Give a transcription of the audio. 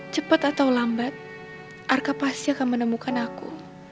cepat atau lambat arka pasti akan menemukan aku